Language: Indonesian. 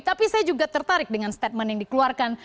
tapi saya juga tertarik dengan statement yang dikeluarkan